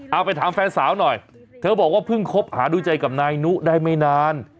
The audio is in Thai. เอาไปถามแฟนสาวหน่อยเธอบอกว่าเพิ่งคบหาดูใจกับนายนุได้ไม่นาน